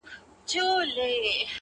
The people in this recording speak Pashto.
د ازل تقسيم باغوان يم پيدا کړی.!